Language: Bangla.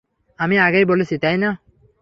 আমি আগেই বলেছি, তাই না?